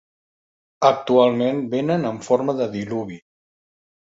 Actualment venen en forma de diluvi.